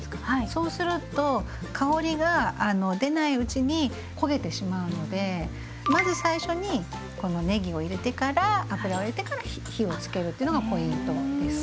そうすると香りが出ないうちに焦げてしまうのでまず最初にこのねぎを入れてから油を入れてから火をつけるっていうのがポイントです。